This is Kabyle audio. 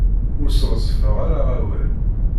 Ur sɣezfeɣ ara awal.